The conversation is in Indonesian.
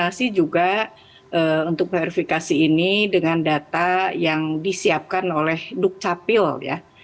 koordinasi juga untuk verifikasi ini dengan data yang disiapkan oleh dukcapil ya